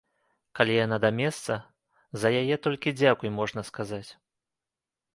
Калі яна да месца, за яе толькі дзякуй можна сказаць.